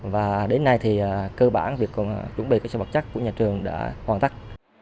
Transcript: và đến nay thì cơ bản việc chuẩn bị các sở vật chất của nhà trường đã hoàn tắc